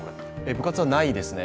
部活はないですね。